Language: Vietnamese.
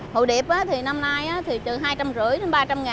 hồ điệp thì năm nay thì trường hai trăm năm mươi